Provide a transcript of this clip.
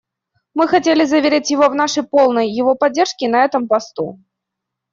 Мы хотели бы заверить его в нашей полной его поддержке на этом посту.